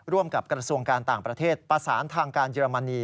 ร่วมกับกระทรวงการต่างประเทศประสานทางการเยอรมนี